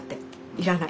「いらない。